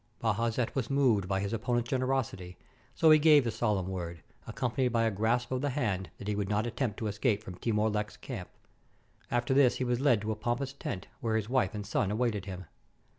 Bajazet was moved by his opponent's generosity, so 469 TURKEY he gave his solemn word, accompanied by a grasp of the hand, that he would not attempt to escape from Timur Lenk's camp. After this he was led to a pompous tent, where his wife and son awaited him.